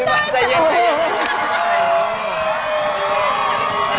ก็ปล่อยใจเย็น